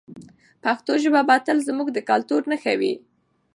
پښتو ژبه به تل زموږ د کلتور نښه وي.